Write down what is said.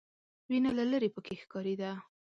وینه له ليرې پکې ښکارېده.